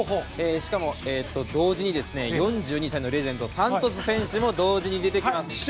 しかも、同時に４２歳のレジェンドサントス選手も同時に出てきます。